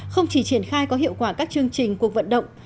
không chỉ triển khai có hiệu quả các chương trình cuộc vận động